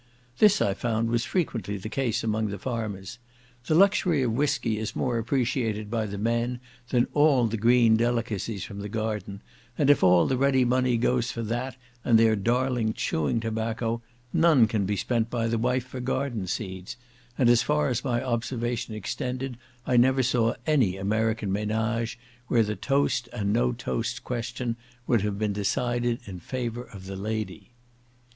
This, I found, was frequently the case among the farmers. The luxury of whiskey is more appreciated by the men than all the green delicacies from the garden, and if all the ready money goes for that and their darling chewing tobacco, none can be spent by the wife for garden seeds; and as far as my observation extended, I never saw any American menage where the toast and no toast question, would have been decided in favour of the lady.